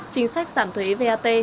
chính sách giảm thuế vat